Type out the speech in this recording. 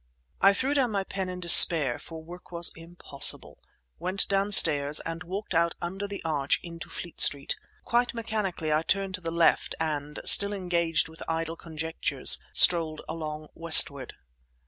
I threw down my pen in despair, for work was impossible, went downstairs, and walked out under the arch into Fleet Street. Quite mechanically I turned to the left, and, still engaged with idle conjectures, strolled along westward.